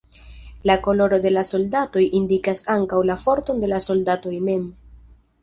La koloro de la soldatoj indikas ankaŭ la forton de la soldatoj mem.